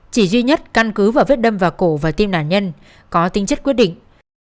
chỉ duy nhất căn cứ vào vết đâm vào cổ và tim nạn nhân có tính chất quyết định